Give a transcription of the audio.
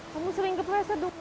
kamu sering kepres ya duk